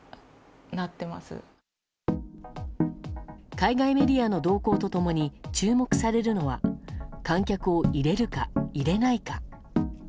海外メディアの動向と共に注目されるのは観客を入れるか入れないか。